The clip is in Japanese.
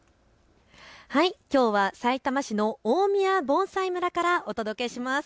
きょうはさいたま市の大宮盆栽村からお届けします。